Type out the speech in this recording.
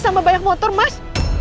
sambah banyak motor mas